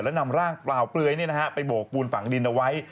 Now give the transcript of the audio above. แล้วนำร่างเปล่าเปลือยไปโบกปูนฝังดินเอาไว้